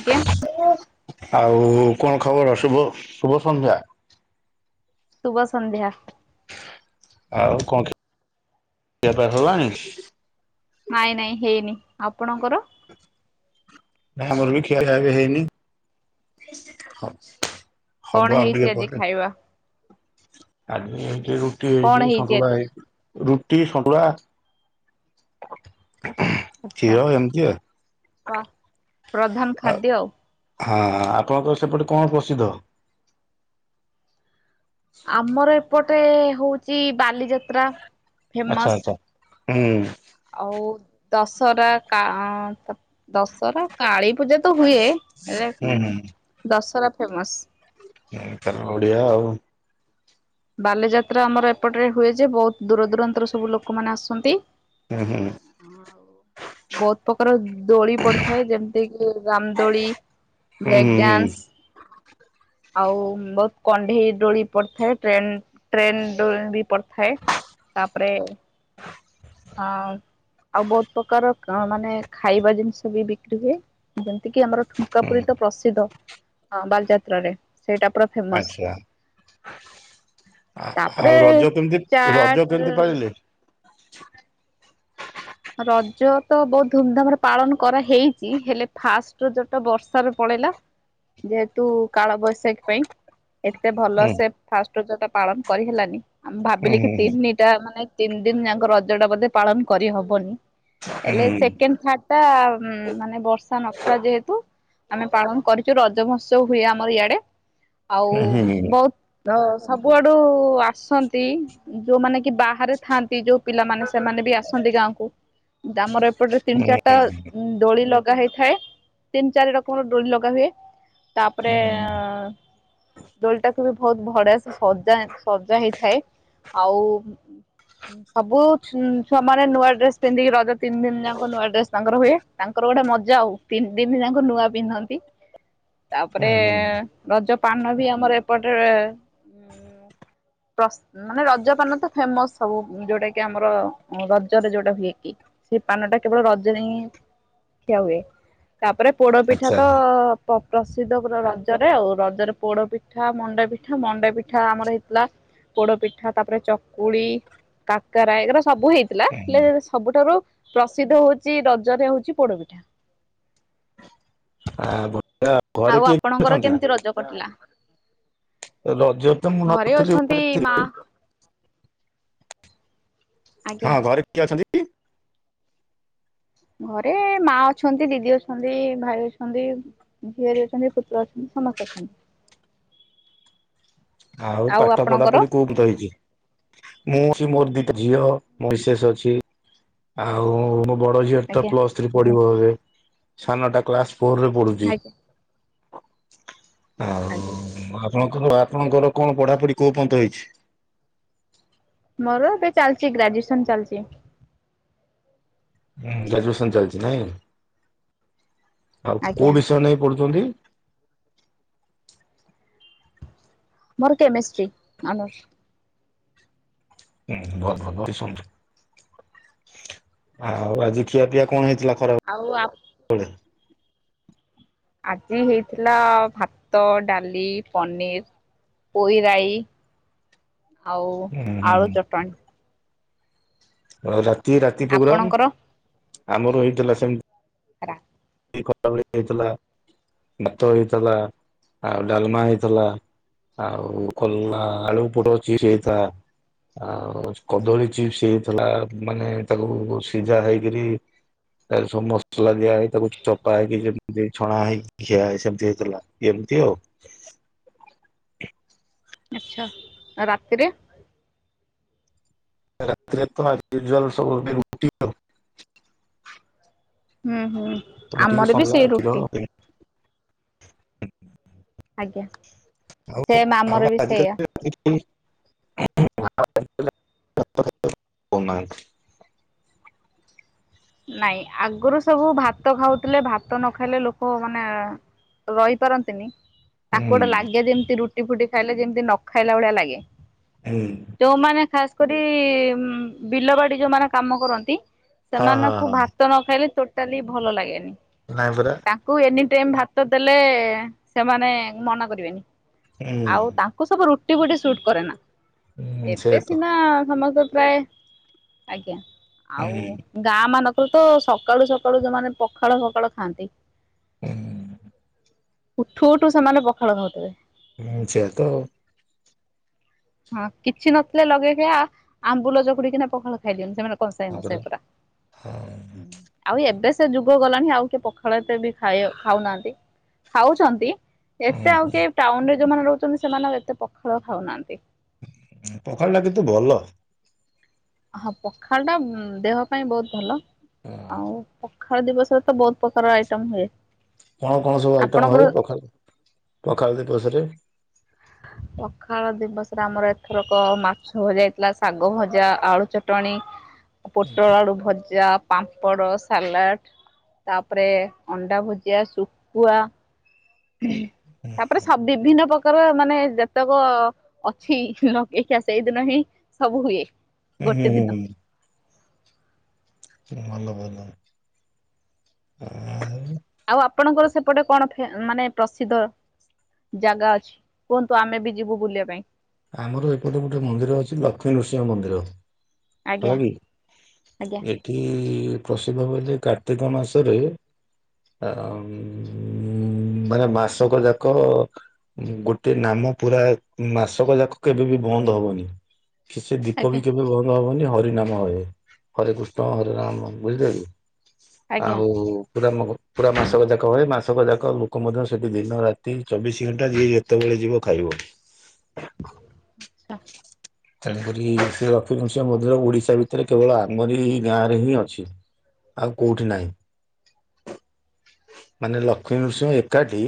ଆଜ୍ଞା। [unintelligible] ଆଉ କଣ ଖବର ଶୁଭ ଶୁଭ ସନ୍ଧ୍ୟା। ସୁୁଭ ସନ୍ଧ୍ୟା। ଆଉ କଣ ଖି ଖିଆ ପିଆ ସରଲାଣି? ନାଇଁ ନାଇଁ ହେଇନି ଆପଣଙ୍କର? ନା ଆମର ବି ଖିଆପିଆ ବି ହେଇନି। କଣ ହବ ଆଉ ଟିକେ ହେଇଛି ଆଜି ପରେ। ଖାଇବା ଆଜି ହେଇଚି ରୁଟି କଣ ହେଇଚି ହେଇଛି ସନ୍ତୁଳା ଆଜି ହେଇଚି। ରୁଟି ସନ୍ତୁଳା। ଆଚ୍ଛା କ୍ଷୀର ଏମିତି ଆଉ। ପ ପ୍ରଧାନ ଖାଦ୍ୟ ଆଉ। ହଁ ଆପଣଙ୍କର ସେପଟେ କଁ ପ୍ରସିଦ୍ଧ? ଆମର ଏପଟେ ହୋଉଚି ବାଲିଯାତ୍ରା। ଆଚ୍ଛା ଫେମସ୍ ଆଚ୍ଛା ହୁଁ। ଆଉ ଦଶହରା କା ଅଁ ଦଶହରା କାଳୀ ପୂଜା ତ ହୁଏ ହେଲେ ହୁଁ ଉଁ ହୁଁ ଦଶହରା ଫେମସ୍। ହୁଁ କାରଣ ଓଡିଆ ଆଉ। ବାଲିଯାତ୍ରା ଆମର ଏପଟେରେ ହୁଏ ଯେ ବୋହୁତୁ ଦୂର ଦୂରାନ୍ତରୁ ସବୁ ଲୋକୋମାନେ ଆସନ୍ତି। ହୁଁ ହୁଁ। ବୋହୁତ ପକାର ଦୋଳି ପଡିଥାଏ ଯେମିତି କି ରାମଦୋଳି ହୁଁ ବ୍ରେକ୍ ହୁଁ ହୁଁ। ଡ୍ୟାନ୍ସ। ଆଉ ବୋହୁତ କଣ୍ଢେଇ ଡୋଳି ପଡିଥାଏ ଟ୍ରେନ ଟ୍ରେନ [unintelligible] ପଡି ଥାଏ ତାପରେ ହଁ ଅମ୍ ଆଉ ବୋହୁତ ପକାର ମାନେ ଖାଇବା ଜିନିଷ ବି ବିକ୍ରି ହୁଏ ଯେମତି କି ଆମର ଠୁଙ୍କା ପୁରୀ ତ ପ୍ରସିଦ୍ଧ ହଁ ବାଲଯାତ୍ରାରେ ସେଇଡା ପୁରା ଫେମସ। ଆଚ୍ଛା। ତାପରେ ଆଉ ରଜ କେମିତି ରଜ ଚାଟ କେମିତି ପାଳିଲେ? ରଜ ତ ବହୁତ ଧୁମଧାମରେ ପାଳନ କରାହେଇଚି ହେଲେ ଫାଷ୍ଟ ରଜଟା ବର୍ଷାରେ ପଳେଇଲା। ଯେହେତୁ କାଳବୈଶାଖୀ ପାଇଁ ଏତେ ଭଲ ହୁଁ ସେ ଫାଷ୍ଟ ରଜଟା ପାଳନ କରି ହେଲାନି ଆମେ ହୁଁ ଭାବିଲି କି ହୁଁ ତିନିଟା ମାନେ ତିନିଦିନ ଯାଙ୍କ ରଜଟା ବୋଧେ ପାଳନ କରିହ ବନି ହୁଁ ହେଲେ ସେକେଣ୍ଡ ଥାର୍ଡଟା ମାନେ ବର୍ଷା ନଥିଲା ଯେହେତୁ ଆମେ ପାଳନ କରିଚୁ ରଜ ମହୋତ୍ସବ ହୁଏ ଆମର ଇଆଡେ ଆଉ ହୁଁ ହୁଁ ହୁଁ ବହୁ ତ ସବୁଆଡୁ ଆସନ୍ତି ଯୋଉମାନେ କି ବାହାରେ ଥାଆନ୍ତି ଯୋଉ ପିଲାମାନେ ସେମାନେ ବି ଆସନ୍ତି ଗାଁ କୁ ଆମର ଏପଟରେ ତିନି ଚାରିଟା ଦୋଳି ଲଗା ହେଇଥାଏ ତିନି ଚାରି ରକମର ଦୋଳି ଲଗା ହୁଏ ତାପରେ ଦୋଳିଟାକୁ ବି ବହୁତ ବଢିଆ ସେ ସଜା ସଜା ହେଇଥାଏ ଆଉ ସବୁ ଛୁଆମାନେ ନୂଆ ଡ୍ରେସ ସେନ୍ତିକି ରଜ ତିନିଦିନ ଯାକ ନୂଆ ଡ୍ରେସ୍ ତାଙ୍କର ହୁଏ ତାଙ୍କର ଗୋଟେ ମଜା ଆଉ ତିନିଦିନ ଯାଙ୍କ ନୂଆ ପିନ୍ଧନ୍ତି। ତାପରେ ହୁଁ ହୁଁ ହୁଁ ରଜ ପାନ ବି ଆମର ଏପଟେରେ ପ୍ରସ୍ ମାନେ ରଜପାନ ତ ଫେମସ୍ ସବୁ ଯୋଉଟା କି ଆମର ରଜରେ ଯୋଉଟା ହୁଏ। ସେ ପାନଟା କେବଳ ରଜରେ ହିଁ ଖିଆ ହୁଏ। ତାପରେ ପୋଡପିଠା ଆଚ୍ଛା। ତ ପ ପ୍ରସିଦ୍ଧ ପୁରା ରଜରେ ଆଉ ରଜରେ ପୋଡପିଠା, ମଣ୍ଡାପିଠା ମଣ୍ଡାପିଠା ଆମର ହେଇଥିଲା। ପୋଡପିଠା ତାପରେ ଚକୁଳି, କାକରା ଏଗୁରା ସବୁ ହେଇଥିଲା ହେଲେ ସବୁଠାରୁ ପ୍ରସିଦ୍ଧ ହଉଚି ରଜରେ ହଉଚି ପୋଡପିଠା। ଆ ବ ଆଉ ଆପଣଙ୍କର କେମିତି ରଜ କଟିଲା? ରଜ ତ ମୁଁ ଘରେ ନଥିଲି ଅଛନ୍ତି ଥିଲି। ମା ଆଜ୍ଞା ହଁ ଘରେ କିଏ ଅଛନ୍ତି? ଘରେ ମା ଅଛନ୍ତି ଦିଦି ଅଛନ୍ତି ଭାଇ ଅଛନ୍ତି। ଝିଆରୀ ଅଛନ୍ତି ପୁତୁରା ଅଛନ୍ତି ସମସ୍ତେ ଅଛନ୍ତି। ଆଉ ପାଠ ପଢାପଢି କୋଉ ପନ୍ତ ହେଇଚି? ମୁଁ ଅଛି ମୋର ଦିଟା ଝିଅ ମୋ ମିସେସ ଅଛି। ଆଉ ମୋ ବଡ ଝିଅର ତ ଆଜ୍ଞା ପ୍ଲସ୍ ଥ୍ରୀ ପଢିବ ଏ ସାନଟା କ୍ଲାସ ଫୋର ରେ ପଢୁ ଚି ଆଜ୍ଞା ହଁ। ଆଜ୍ଞା। ଆପଣଙ୍କର ଆପଣଙ୍କର କଣ ପଢାପଢି କୋଉ ପନ୍ତ ହେଇଚି? ମୋର ଏବେ ଚାଲିଚି ଗ୍ରାଜୁଏସନ ଚାଲିଚି। ଗ୍ରାଜୁଏସନ ଚାଲିଚି ନାଇଁ ଆଉ ଆଜ୍ଞା କୋଉ ବିଷୟ ନେଇ ପଡୁଛନ୍ତି? ମୋର କେମେଷ୍ଟ୍ରି ଅନର୍ସ। [unintelligible] ଆଉ ଆଜି ଖିଆ ପିଆ କଣ ହେଇଥିଲା ଖରାବେଳେ? ଆଉ ଆ କୋଉଟା? ଆଜି ହେଇଥିଲା ଭାତ, ଡାଲି, ପନିର ପୋଇରାଇ ଆଉ ହୁଁ ହୁଁ ଆଳୁ ଚଟଣି। ରାତି ରାତି ପ୍ରୋଗ୍ରାମ ଆପଣଙ୍କର? ଆମର ହେଇଥିଲା ସେମତି ରା ଖରାବେଳେ ହେଇଥିଲା ଭାତ ହେଇଥିଲା ଆଉ ଡାଲମା ହେଇଥିଲା। ଆଉ କଲରା ଆଳୁ ପୋଟଳ ଚିସ ହେଇଥିଲା। ଆଉ କଦଳୀ ଚିପ୍ସ ହେଇଥିଲା ମାନେ ତାକୁ ସିଝା ହେଇକିରୀ ତା ସବୁ ମସଲା ଦିଆ ହେଇ ତାକୁ ଚପା ହେଇକି ଯେମିତି ଛଣା ହେଇକି ଖିଆ ହେଇ ସେମିତି ହେଇଥିଲା ଏମିତି ଆଉ। ଆଚ୍ଛା ରାତିରେ? ରାତିରେ ତ [inaudible] ସବୁ ରୁଟି ଆଉ ହୁଁ ହୁଁ ରୁଟି ଆମର ବି ସନ୍ତୁଳା ସେଇ କ୍ଷୀର ରୁଟି। ଆଜ୍ଞା। ଆଉ ସେମ୍ ଆମର ଆଉ ବି ସେଇଆ। ଆଜିିକାଲି ରାତିରେ କେହି ଓମ୍ ମାହାନ୍ତ। ନାଇଁ ଆଗରୁ ସବୁ ଭାତ ଖାଉଥିଲେ ଭାତ ନ ଖାଇଲେ ଲୋକ ମାନେ ରହିପାରନ୍ତିନି। ହୁଁ ତାଙ୍କୁ ଗୋଟେ ଲାଗେ ଯେମିତି ରୁଟି ଫୁଟି ଖାଇଲେ ଯେମିତି ନ ଖାଇଲା ଭଳିଆ ଲାଗେ। ହୁଁ। ଯୋଉମାନେ ଖାସ କରି ବିଲ ବାଡି ଯୋଉମାନେ କାମ କରନ୍ତି ହଁ ସେମାନ ହଁ ତ ନଖାଇଲେ ଟୋଟାଲି ଭଲ ଲାଗେନି। ନାଇଁ ପରା। ତାଙ୍କୁ ଏନି ଟାଇମ ଭାତ ଦେଲେ ସେମାନେ ମନା କରିବେନି। ହୁଁ ଆଉ ତାଙ୍କୁ ସବୁ ରୁଟି ଫୁଟି ସୁଟ କରେ ନା। ହୁଁ ସେଇଆ ଏବେ ତ ସିନା ସମସ୍ତେ ପ୍ରାୟ ଆଜ୍ଞା ହୁଁ ଆଉ ଗାଁ ମାନଙ୍କର ତ ସକାଳୁ ସକାଳୁ ଯୋଉମାନେ ପଖାଳ ଫଖାଳ ଖାଆନ୍ତି। ହୁଁ ଉଠୁ ଉଠୁ ସେମାନେ ପଖାଳ ଖାଉଥିବେ। ହୁଁ ସେଇଆତ। ହଁ କିଛି ନଥିଲେ ଲଗେଇଖିଆ ଆମ୍ୱୁଲ ଚକୁଡିକିନା ପଖାଳ ଖାଇଦିଅନ୍ତି ସେମାନେ କସାଏ ତାପରେ କସାଏ ପୁରା। ହଁ। ଆଉ ଏବେ ସେ ଯୁଗ ଗଲାଣି ଆଉ କିଏ ପଖାଳ ଏତେ ବି ଖାଇ ଖାଉନାହାନ୍ତି। ଖାଉଛନ୍ତି ହୁଁ ଏତେ ଆଉ ହୁଁ କିଏ ଟାଉନରେ ଯୋଉମାନେ ରହୁଛନ୍ତି ସେମାନେ ଆଉ ଏତେ ପଖାଳ ଖାଉନାହାନ୍ତି। ପଖାଳଟା କିନ୍ତୁ ଭଲ। ହଁ ପଖାଳଟା ଦେହ ପାଇଁ ବହୁତ ଭଲ ହୁଁ। ଆଉ ପଖାଳ ଦିବସରେ ତ ବହୁତ ପ୍ରକାର ଆଇଟମ୍ ହୁଏ। କଣ କଣ ସବୁ ଆଇଟମ ଆପଣଙ୍କର ହୁଏ ପଖା ପଖାଳ ଦିବସରେ? ପଖାଳ ଦିବସରେ ଆମର ଏଥରକ ମାଛ ଭଜା ହେଇଥିଲା ଶାଗ ଭଜା ଆଳୁ ଚଟଣି [inaudible] ପୋଟଳ ଆଳୁ ଭଜା ପାମ୍ପଡ଼ ସାଲାଡ଼ ତାପରେ ଅଣ୍ଡା ଭୁଜିଆ ଶୁଖୁଆ ତାପରେ ସବୁ ବିଭିନ୍ନ ପ୍ରକାର ତାଙ୍କର ମାନେ ଯେତେକ ଅଛି ଲଗେଇଖିଆ ସେଇଦିନ ହିଁ ସବୁ ହୁଏ। ହୁଁ ହୁଁ ଗୋଟେ ହୁଁ ଦିନ ହୁଁ। ଭଲ ଭଲ ଆଉ ଆଉ ଆପଣଙ୍କର ସେପଟେ କଣ ଫେ ମାନେ ପ୍ରସିଦ୍ଧ? ଜାଗା ଅଛି କୁହନ୍ତୁ ଆମେ ବି ଯିବୁ ବୁଲିବା ପାଇଁ? ଆମର ଏପଟେ ଗୋଟେ ମନ୍ଦିର ଅଛି ଲକ୍ଷ୍ମୀ ନୃସିଂହ ମନ୍ଦିର। ହେଲା ଆଜ୍ଞା କି ଆଜ୍ଞା ଏଠି ପ୍ରସିଦ୍ଧ ହଉଛି କାର୍ତ୍ତିକ ମାସରେ ମାନେ ମାସକ ଯାକ ଗୋଟେ ନାମ ପୁରା ମାସ କ ଯାକ କେବେ ବି ବନ୍ଦ ହବନି କି ସେ ଦୀପ ବି ଆଜ୍ଞା କେବେ ବ ହବନି ହରି ନାମ ହୁଏ ହରେ କୃଷ୍ଣ ହରେ ରାମ ବୁଝିଲେକି? ଆଜ୍ଞା ଆଉ ପୁରା ନ ପୁରା ମାସକ ଯାକ ହଏ ମାସକ ଯାକ ଲୋକ ମଧ୍ୟ ସେଇଠି ଦିନ ରାତି ଚବିଶ ଘଣ୍ଟା ଯିଏ ଯେତେବେଳେ ଯିବ ଖାଇବ। ଆଛା। ତେଣୁକରି ସେ ଲଷ୍ମୀନୃସିଂହ ମନ୍ଦିର ଓଡିଶା ଭିତରେ କେବଳ ଆମରି ଗାଁରେ ହିଁ ଅଛି। ଆଉ କୋଉଠି ନାହିଁ। ମାନେ ଲକ୍ଷ୍ମୀ ନୃସିଂହ ଏକାଠି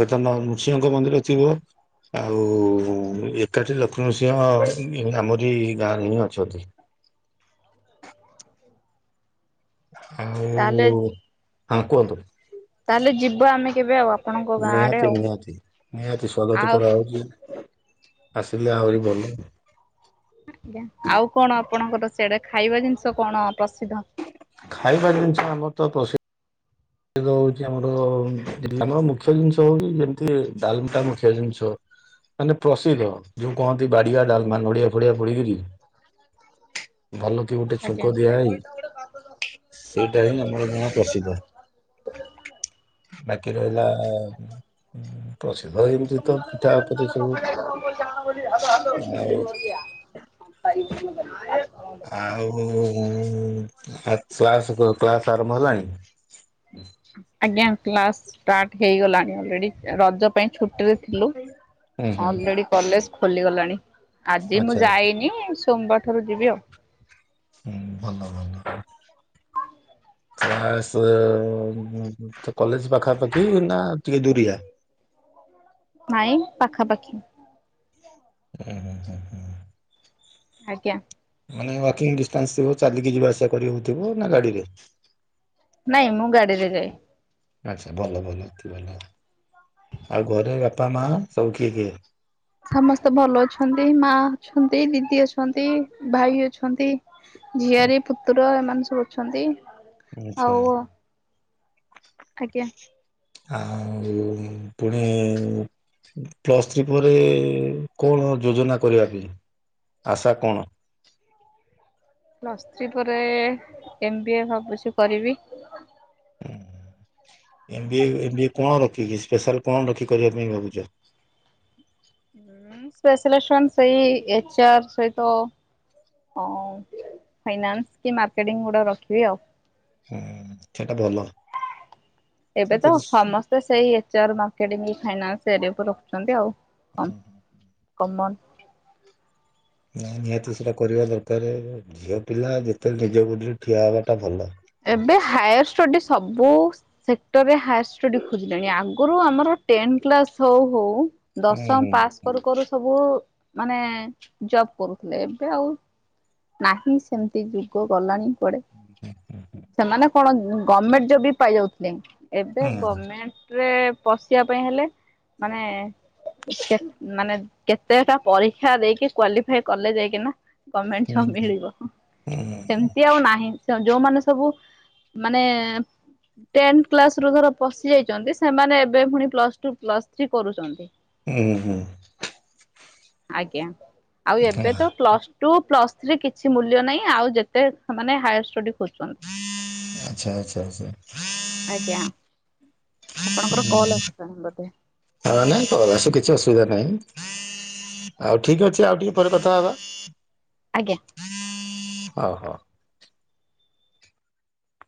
ହୁଏତ ନୃସିଂହଙ୍କ ମନ୍ଦିର ଥିବ ଆଉ ଏକାଠି ଲକ୍ଷ୍ମୀନୃସିଂହ ହଁ ଆମରି ଗାଁରେ ହିଁ ଅଛନ୍ତି। ଆଉ ତାହେଲେ ହଁ କୁହନ୍ତୁ। ତାହେଲେ ଯିବ ଆମେ କେବେ ଆ ନିହାତି ନିହାତି ନିହାତି ସ୍ୱାଗତ ଆଉ କରାହେଉଛି ଆସିଲେ ଆହୁରି ଭଲ। ଆଜ୍ଞା ଆଉ କଣ ଆପଣଙ୍କର ସିଆଡେ ଖାଇବା ଜିନିଷ କଣ ପ୍ରସିଦ୍ଧ? ଖାଇବା ଜିନିଷ ଆମର ତ ପ୍ରସି ସେ ହଉଛି ଆମର ଆମର ମୁଖ୍ୟ ଜିନିଷ ହଉଛି ଯେମିତି ଡାଲ ମିଠା ମୁଖ୍ୟ ଜିନିଷ ମାନେ ପ୍ରସିଦ୍ଧ ଯୋଉ କହନ୍ତି ବାଡିଆ ଡାଲମା ନଡିଆ ଫଡିଆ ପଡିକିରି ଭଲ କି ଗୋଟେ ଆଜ୍ଞା ଛୁଙ୍କ ଦିଆ ହେଇ ସେଇଟା ହିଁ ଆମର ଗାଁ ପ୍ରସିଦ୍ଧ। ବାକି ରହିଲା ହଁ ପ୍ରସିଦ୍ଧ ଏମିତି ତ ପିଠାପରି ସବୁ ହ ହ ଆଉ ହ ହ ଆଉ କ୍ଲାସ୍ କ୍ଲାସ ଆରମ୍ଭ ହେଲାଣି? ଆଜ୍ଞା କ୍ଲାସ୍ ଷ୍ଟାର୍ଟ ହେଇଗଲାଣି ଅଲରେଡ଼ି ରଜ ପାଇଁ ଛୁଟିରେ ହୁଁ ହୁଁ ଅଲରେଡି କଲେଜ ଖୋଲିଗଲାଣି ଆଜି ଆଚ୍ଛା ମୁଁ ଆଚ୍ଛା ଯାଇନି ସୋମବାର ଠାରୁ ଯିବି ଆଉ। ହୁଁ ଭଲ ଭଲ। କ୍ଲାସ୍ କଲେଜ ପାଖାପାଖି ନା ଟିକେ ଦୁରିଆ? ନାଇଁ ପାଖାପାଖି। ହଁ ହଁ। ଆଜ୍ଞା। ମାନେ ୱାକିଂ ଡିଷ୍ଟାନ୍ସ ଥିବ ଚାଲିକି ଯିବା ଆସିବା କରିବାକୁ ଥିବ ନା ଗାଡିରେ? ନାଇଁ ମୁଁ ଗାଡିରେ ଯାଏ। ଆଚ୍ଛା ଭଲ ଭଲ ଏ ଭଲ ଆଉ ଘରେ ବାପା ମା ସବୁ କିଏ କିଏ? ସମସ୍ତେ ଭଲ ଅଛନ୍ତି ମା ଅଛନ୍ତି, ଦିଦି ଅଛନ୍ତି, ଭାଇ ଅଛନ୍ତି ଝିଆରୀ ପୁତୁରା ଏମାନେ ସବୁ ଅଛନ୍ତି। ଆଚ୍ଛା। ଆଉ ଆଜ୍ଞା। ଆଉ ପୁଣି ପ୍ଲସ୍ ଥ୍ରୀ ପରେ କଣ ଯୋଜନା କରିବା ଆଶା କଣ? ପ୍ଲସ୍ ଥ୍ରୀ ପରେ ଏମ୍ ବି ଏ ଭାବୁଛି କରିବି। ଓଁ M B A M B ଏ କଣ ରଖିକି ସ୍ପେଶାଲ କଣ ରଖିକି କରିବା ପାଇଁ ଭାବୁଛ? ସ୍ପେସାଲସନ ସେଇ ଏଚ ଆର୍ ସହିତ ହଁ ଫାଇନାନ୍ସ କି ମାର୍କେଟିଂ ଗୁଡା ରଖିବି ଆଉ ହୁଁ ସେଟା ଭଲ। ଏବେ ତ ସେଥିରେ ସମସ୍ତେ ସେଇ ଏଚ ଆର୍ ମାର୍କେଟିଂ ଫାଇନାନ୍ସ ଏରିଆକୁ ରଖୁଛନ୍ତି ଆଉ। କ କମନ ନା ନିହାତି ସେଟା କରିବା ଦରକାର ଝିଅ ପିଲା ଯେତେବେଳେ ନିଜ ଗୋଡ଼ରେ ଠିଆ ହେବାଟା ଭଲ। ଏବେ ହାୟାର ଷ୍ଟଡି ସବୁ ସେକ୍ଟର ରେ ହାୟର ଷ୍ଟଡି ଖୋଜିଲେଣି ଆଗରୁ ଆମର୍ ଟେନ୍ ପ୍ଲସ୍ ହଉ ହଉ ହୁଁ ଦଶମ ପାସ୍ କରୁ କରୁ ସବୁ ମାନେ ଜବ୍ କରୁଥିଲେ ଏବେ ଆଉ ନାହିଁ ସେମିତି ଯୁଗ ଗଲାଣି କୁଆଡେ ସେମାନେ କଣ ଗଭର୍ଣମେଣ୍ଟ ଜବ ବି ପାଇ ଯାଉଥିଲେ ଏବେ ହୁଁ ଗଭର୍ଣ୍ଣମେଣ୍ଟ ରେ ପଶିବା ପାଇଁ ହେଲେ ମାନେ ମାନେ କେତେଟା ପରୀକ୍ଷା ଦେଇକି କ୍ଵାଲିଫାଇ କଲେ ଯାଇକିନା ଗମେଣ୍ଟ ହୁଁ ଛ ମିଳିବ ହୁଁ ହୁଁ ସେମିତି ଆଉ ନାହିଁ ଯୋଉମାନେ ସବୁ ମାନେ ଟେନ କ୍ଲାସ ରୁ ଧର ପଶିଯାଇଛନ୍ତି ସେମାନେ ଏବେ ପୁଣି ପ୍ଲସ୍ ଟୁ ପ୍ଲସ୍ ଥ୍ରୀ କରୁଛନ୍ତି। ହୁଁଁ ହୁଁ। ଆଜ୍ଞା ଆଉ ହଁ ଏବେ ତ ପ୍ଲସ ଟୁ ପ୍ଲସ ଥ୍ରୀ କିଛି ମୂଲ୍ୟ ନାହିଁ ଆଉ ଯେତେ ମାନେ ହାୟାର ଷ୍ଟଡି ଖୋଜଛନ୍ତି। ଆଚ୍ଛା ଆଚ୍ଛା ଆଚ୍ଛା। ଆଜ୍ଞା ଆପଣଙ୍କର କଲ୍ ଆସିଲା ବୋଧେ? ହଁ ନାଇଁତ କିଛି ଅସୁବିଧା ନାହିଁ। ଆଉ ଠିକ ଅଛି ଆଉ ଟିକେ ପରେ କଥା ହବା। ଆଜ୍ଞା। ହଁ ହଁ।